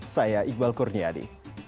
saya iqbal kurniadi